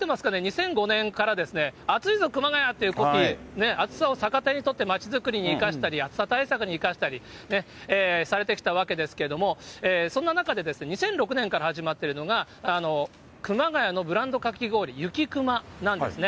２００５年からあついぞ熊谷というコピー、暑さを逆手にとって、街づくりに生かしたり、暑さ対策に生かしたりされてきたわけですけれども、そんな中、２００６年から始まっているのが、熊谷のブランドかき氷、ゆきくまなんですね。